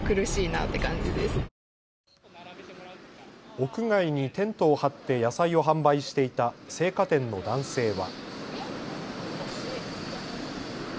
屋外にテントを張って野菜を販売していた青果店の男性は。